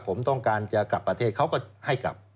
ผมต้องการจะกลับประเทศเขาก็ให้กลับ